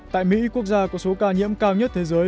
tại mỹ quốc gia có số ca nhiễm cao nhất thế giới